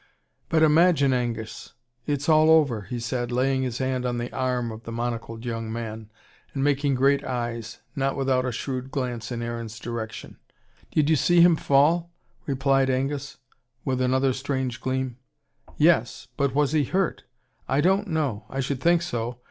"But imagine, Angus, it's all over!" he said, laying his hand on the arm of the monocled young man, and making great eyes not without a shrewd glance in Aaron's direction. "Did you see him fall!" replied Angus, with another strange gleam. "Yes. But was he HURT ?" "I don't know. I should think so.